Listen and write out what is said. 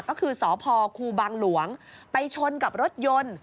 ก็คือสพครูบางหลวงไปชนกับรถยนต์